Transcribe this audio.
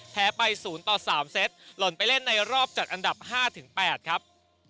แพ้ไป๐ต่อ๓เซตหล่นไปเล่นในรอบจัดอันดับ๕๘ครับ